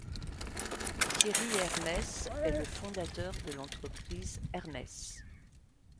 Thierry Hermès est le fondateur de l'entreprise Hermès.